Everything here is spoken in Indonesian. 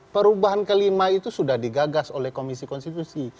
perubahan kelima itu sudah digagas oleh komisi konstitusi